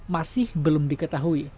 masih belum diketahui